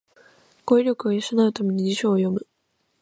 語彙力を養うために辞書を読む